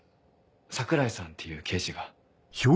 桜井さんっていう刑事が。